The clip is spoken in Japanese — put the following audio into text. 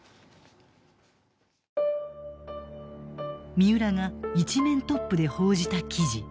三浦が一面トップで報じた記事。